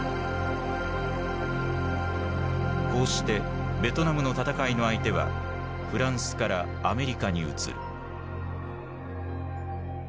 こうしてベトナムの戦いの相手はフランスからアメリカに移る。